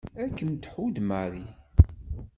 Ad kem-tḥudd Mary.